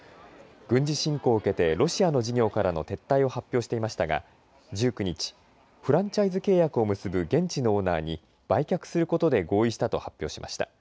軍事侵攻を受けてロシアの事業からの撤退を発表していましたが１９日、フランチャイズ契約を結ぶ現地のオーナーに売却することで合意したと発表しました。